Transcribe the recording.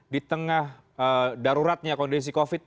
di tengah daruratnya kondisi covid sembilan belas